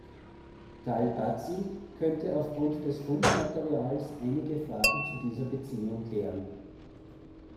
Tall Bazi könnte aufgrund des Fundmaterials einige Fragen zu dieser Beziehung klären.